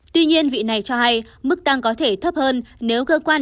tuy nhiên vị này cho hay mức tăng có thể thấp hơn nếu cơ quan